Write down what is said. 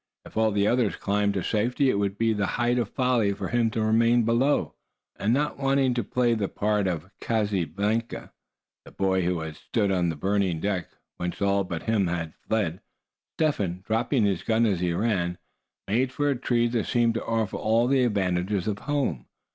If all the others climbed to safety, it would be the height of folly for him to remain below. And not wanting to play the part of Casibianca, the boy who "stood on the burning deck, whence all but him had fled," Step Hen, dropping his gun as he ran, made for a tree that seemed to offer all the advantages of home.